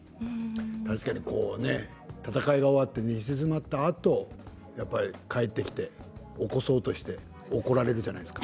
確かに戦いが終わって寝静まったあと帰ってきて起こそうとして怒られるじゃないですか。